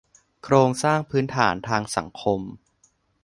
โครงสร้างพื้นฐานทางสังคม